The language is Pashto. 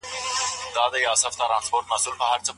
ایا ناوړه مجلس ته په ناخبرۍ ورتګ ګناه لري؟